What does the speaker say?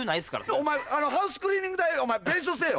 お前ハウスクリーニング代弁償せぇよ。